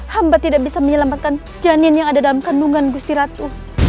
hamba tidak bisa menyelamatkan janin yang ada dalam kandungan gustiratu